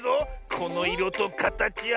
このいろとかたちは。